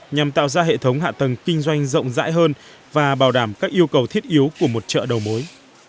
nhằm tạo ra hệ thống hạ tầng kinh doanh rộng rãi hơn và bảo đảm các yêu cầu thiết yếu của một chợ đầu mối